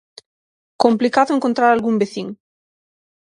Complicado encontrar algún veciño.